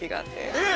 えっ！